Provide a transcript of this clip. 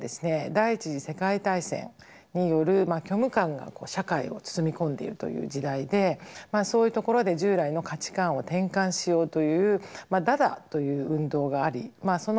第１次世界大戦による虚無感が社会を包み込んでいるという時代でそういうところで従来の価値観を転換しようというダダという運動がありその潮流の中にもありました。